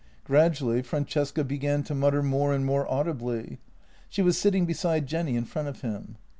Gradually Francesca began to mutter more and more audibly. She was sitting beside Jenny in front of him.